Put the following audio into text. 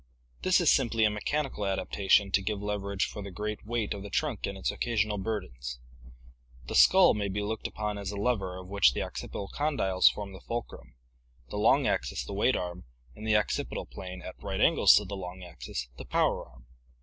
This is simply a mechanical adaptation to give leverage for the great weight of the trunk and its occasional bur dens. The skull may be looked upon as a lever of which the oc cipital condyles form the fulcrum, the long axis the weight arm, and the occipital plane, at right angles to the long axis, the power arm.